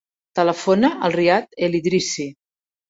Telefona al Riad El Idrissi.